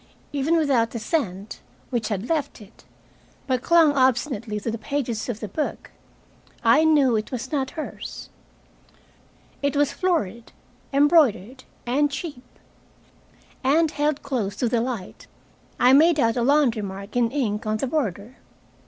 Even without the scent, which had left it, but clung obstinately to the pages of the book, I knew it was not hers. It was florid, embroidered, and cheap. And held close to the light, I made out a laundry mark in ink on the border.